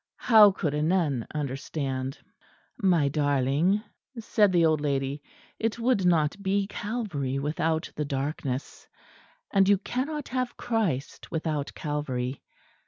How could a nun understand? "My darling," said the old lady, "it would not be Calvary without the darkness; and you cannot have Christ without Calvary.